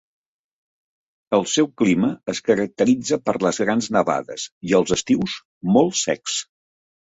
El seu clima es caracteritza per les grans nevades i els estius molt secs.